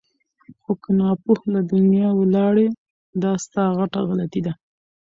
خو که ناپوه له دنیا ولاړې دا ستا غټه غلطي ده!